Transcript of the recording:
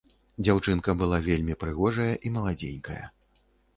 Дзяўчынка была вельмі прыгожая і маладзенькая.